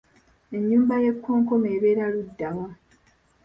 Ennyumba y’ekkonkome ebeera ludda wa?